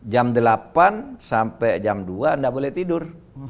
jam delapan sampai jam dua tidak boleh tidur